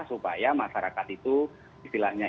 supaya masyarakat itu bisa mencari mudik